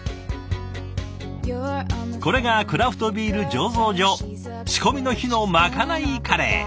これがクラフトビール醸造所仕込みの日のまかないカレー。